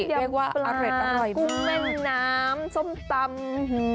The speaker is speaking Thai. ต้มยำปลาน้ำหมากงน้ำสมตำ